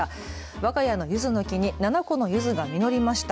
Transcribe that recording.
わが家のゆずの木に７個のゆずが実りました。